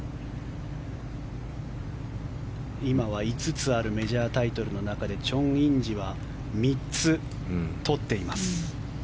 今は５つあるメジャータイトルの中でチョン・インジは３つ取っています。